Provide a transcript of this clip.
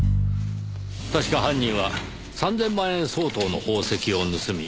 確か犯人は３０００万円相当の宝石を盗み。